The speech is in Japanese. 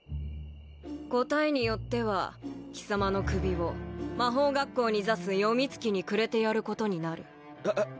答えによっては貴様の首を魔法学校に座す詠月にくれてやることになるあ